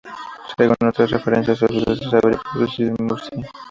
Según otras referencias, el suceso se habría producido en Murcia.